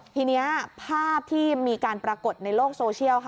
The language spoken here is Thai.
ทีนี้ภาพที่มีการปรากฏในโลกโซเชียล